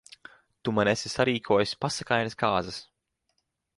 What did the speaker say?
Tu man esi sarīkojis pasakainas kāzas.